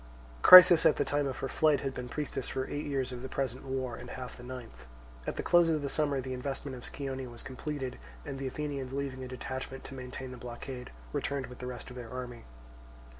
Chrysis at the time of her flight had been priestess for eight years of the present war and half the ninth. At the close of the summer the investment of Scione was completed, and the Athenians, leaving a detachment to maintain the blockade, returned with the rest of their army.